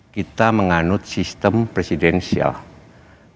kita menganut sistem presiden sialan